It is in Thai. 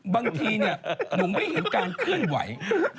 บางทีหนูไม่เห็นกลางขึ้นไหว